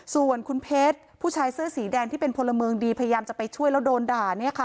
ส่วนคุณเพชรผู้ชายเสื้อสีแดงที่เป็นพลเมืองดีพยายามจะไปช่วยแล้วโดนด่า